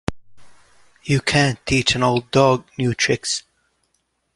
You can't teach an old dog new tricks.